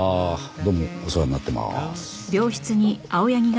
どうもお世話になってます。